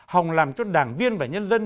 hồng làm cho đảng viên và nhân dân